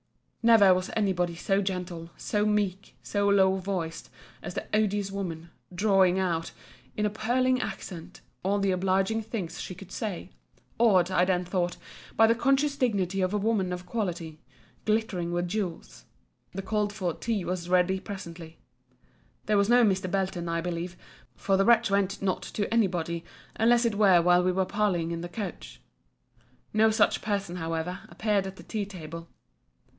Never was any body so gentle, so meek, so low voiced, as the odious woman; drawling out, in a puling accent, all the obliging things she could say: awed, I then thought, by the conscious dignity of a woman of quality; glittering with jewels. The called for tea was ready presently. There was no Mr. Belton, I believe: for the wretch went not to any body, unless it were while we were parlying in the coach. No such person however, appeared at the tea table.